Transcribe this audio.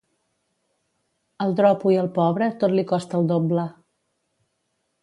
Al dropo i al pobre tot li costa el doble.